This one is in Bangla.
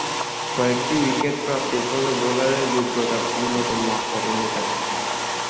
কয়েকটি উইকেট প্রাপ্তির ফলে বোলারের যোগ্যতার অন্যতম মাপকাঠি হয়ে থাকে।